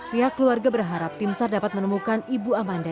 pihak keluarga berharap timstar dapat menemukan ibu amanda